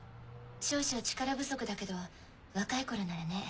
少々力不足だけど若い頃ならね。